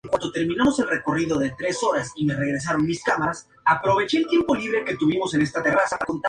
Sigue indicando la Dra.